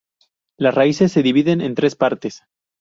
Las raíces se dividen en tres partes.